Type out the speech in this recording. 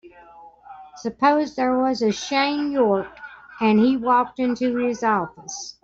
Suppose there was a Shane York and he walked into this office.